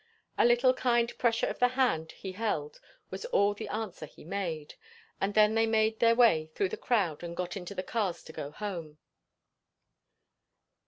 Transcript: A little kind pressure of the hand he held was all the answer he made; and then they made their way through the crowd and got into the cars to go home.